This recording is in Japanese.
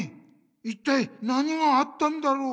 いったい何があったんだろう？